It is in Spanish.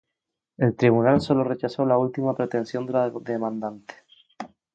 El tribunal sólo rechazó la última pretensión de la demandante.